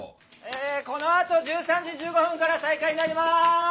この後１３時１５分から再開になります！